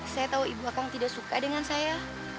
saya tahu ibu akan tidak suka dengan saya